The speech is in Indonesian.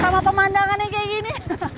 sama pemandangannya kayak gini